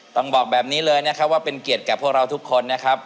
ต้องบอกแบบนี้เลยนะครับว่าเป็นเกียรติแก่พวกเราทุกคนนะครับ